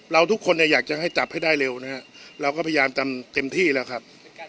เราทุกคนเนี่ยอยากจะให้จับให้ได้เร็วนะฮะเราก็พยายามทำเต็มที่แล้วครับ